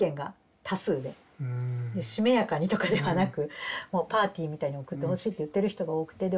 しめやかにとかではなくもうパーティーみたいに送ってほしいって言ってる人が多くてで